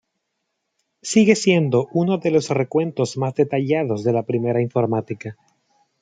Sigue siendo uno de los recuentos más detallados de la primera informática.